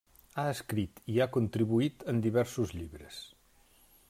Ha escrit i ha contribuït en diversos llibres.